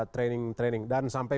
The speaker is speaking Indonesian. training training dan sampai